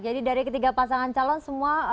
jadi dari ketiga pasangan calon semua